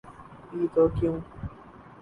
بھی تو کیوں؟